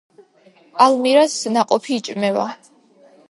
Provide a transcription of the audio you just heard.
პალმირას ნაყოფი იჭმება.